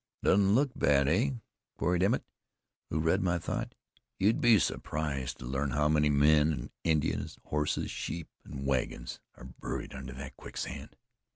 "Doesn't look bad, eh?" queried Emmett, who read my thought. "You'd be surprised to learn how many men and Indians, horses, sheep and wagons are buried under that quicksand."